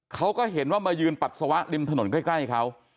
เขาก็เห็นว่ามายืนปัสสาวะริมถนนใกล้เขา